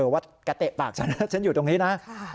ว่าแกเตะปากฉันฉันอยู่ตรงนี้นะ